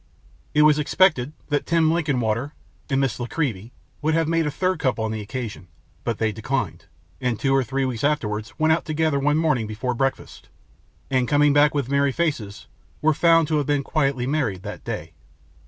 It was expected that Tim Linkinwater and Miss La Creevy would have made a third couple on the occasion, but they declined, and two or three weeks afterwards went out together one morning before breakfast, and, coming back with merry faces, were found to have been quietly married that day.